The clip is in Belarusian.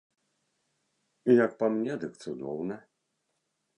Як па мне, дык цудоўна.